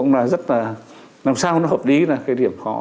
làm sao nó hợp lý là cái điểm khó